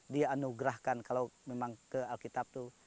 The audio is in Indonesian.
dianugerahkan kalau memang ke alkitab itu